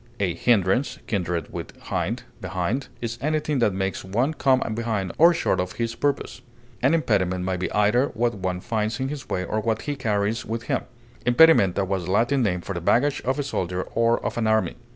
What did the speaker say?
A hindrance (kindred with hind, behind) is anything that makes one come behind or short of his purpose. An impediment may be either what one finds in his way or what he carries with him; impedimenta was the Latin name for the baggage of a soldier or of an army.